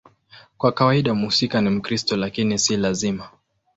Kwa kawaida mhusika ni Mkristo, lakini si lazima.